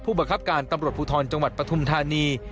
บังคับการตำรวจภูทรจังหวัดปฐุมธานี